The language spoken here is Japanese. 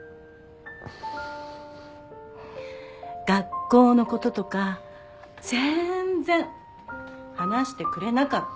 学校のこととかぜーんぜん話してくれなかった。